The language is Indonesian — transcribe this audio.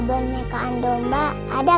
saya enggak akan melawan takdirnya